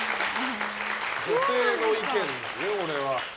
女性の意見ですね、これは。